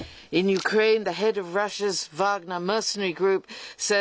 ウクライナ